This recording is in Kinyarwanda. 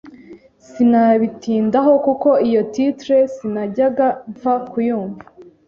sinabitindaho kuko iyo title sinajyaga mpfa kuyumva